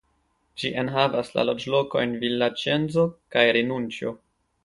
Ĝi enhavas la loĝlokojn Villacienzo kaj Renuncio.